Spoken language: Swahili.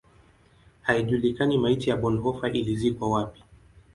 Haijulikani maiti ya Bonhoeffer ilizikwa wapi.